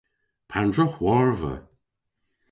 Pandr'a hwarva?